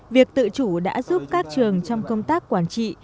việc tự chủ đã giúp các trường trong công tác quản trị